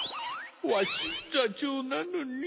わしざちょうなのに。